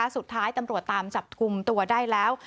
สุดท้ายตำรวจตามจับกลุ่มตัวได้แล้ว